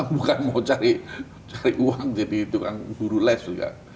bukan mau cari uang jadi tukang guru les juga